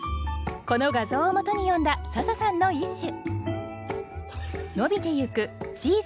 この画像をもとに詠んだ笹さんの一首